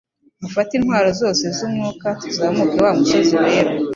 mufate intwaro zoze zumwuka tuzamuke wamusozi wera